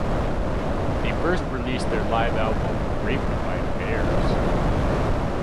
They first released their live album "Raped by Bears".